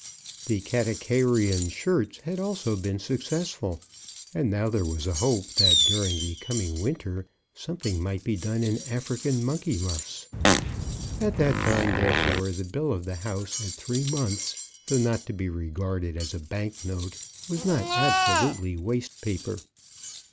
The Katakarion shirts also had been successful, and now there was a hope that, during the coming winter, something might be done in African monkey muffs. At that time, therefore, the bill of the house at three months, though not to be regarded as a bank note, was not absolutely waste paper.